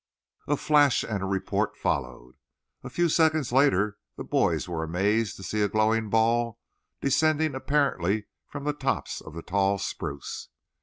A flash and a report followed. A few seconds later the boys were amazed to see a glowing ball descending apparently from the tops of the tall spruce.